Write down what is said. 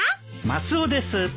マスオです。